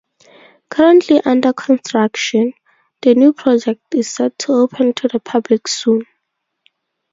Currently under construction, the new project is set to open to the public soon.